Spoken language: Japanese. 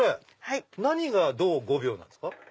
何がどう５秒なんですか？